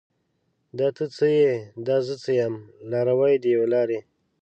دا ته څه یې؟ دا زه څه یم؟ لاروي د یوې لارې